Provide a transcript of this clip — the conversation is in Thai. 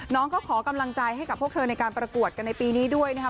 น้องก็ขอกำลังใจให้กับพวกเธอในการประกวดกันในปีนี้ด้วยนะครับ